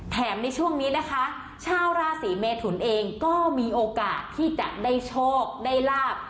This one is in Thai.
ในช่วงนี้นะคะชาวราศีเมทุนเองก็มีโอกาสที่จะได้โชคได้ลาบ